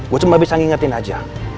gue cuma bisa ngingetin aja